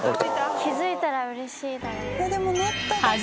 気付いたらうれしいだろうな。